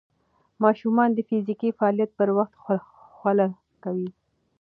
ماشومان د فزیکي فعالیت پر وخت خوله کوي.